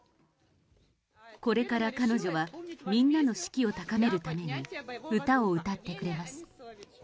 これから彼女は、みんなの士気を高めるために、歌を歌ってくれます。